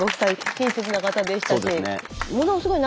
親切な方でしたね。